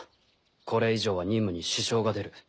これ以上は任務に支障が出る。